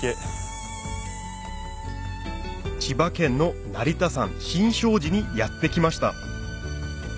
千葉県の成田山新勝寺にやって来ました